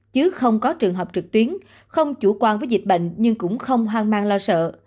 chứ không có trường hợp trực tuyến không chủ quan với dịch bệnh nhưng cũng không hoang mang lo sợ